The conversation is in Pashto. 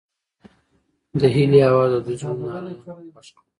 د هیلې اواز د دوی زړونه ارامه او خوښ کړل.